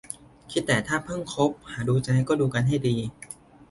คิดแต่ถ้าเพิ่งคบหาดูใจก็ดูกันให้ดี